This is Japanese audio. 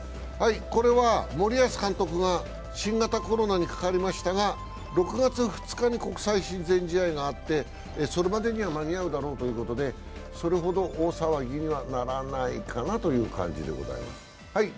これは森保監督が新型コロナにかかりましたが、６月２日に国際親善試合があってそれまでには間に合うだろうということで、それほど大騒ぎにはならないかなという感じでございます。